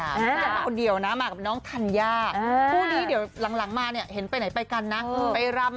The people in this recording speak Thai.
หนึ่งคนเดียวนะมากับน้องทัญญาพวกนี้เดียวหลังมาเห็นไปไหนไปกันนะไปรำ